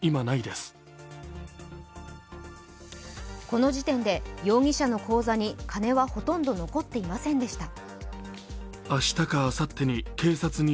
この時点で容疑者の口座に金はほとんど残っていませんでした。